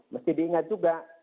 mesti diingat juga